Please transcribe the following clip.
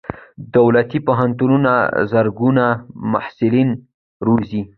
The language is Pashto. دولتي پوهنتونونه زرګونه محصلین روزي.